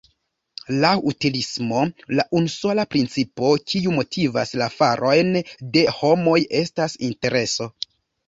Laŭ utilismo la unusola principo kiu motivas la farojn de homoj estas intereso.